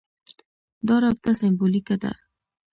دا رابطه سېمبولیکه ده.